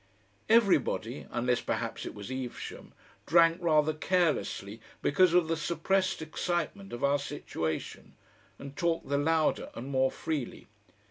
Everybody unless, perhaps, it was Evesham drank rather carelessly because of the suppressed excitement of our situation, and talked the louder and more freely.